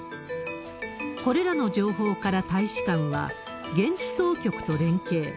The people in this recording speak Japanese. これらの情報から大使館は、現地当局と連携。